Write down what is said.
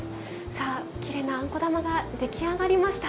きれいなあんこ玉が出来上がりました。